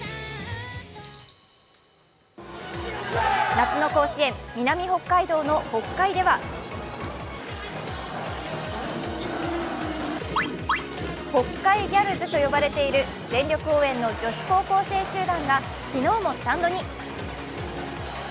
夏の甲子園、南北海道の北海では北海ギャルズと呼ばれている全力応援の女子高校生集団が昨日もスタンドに。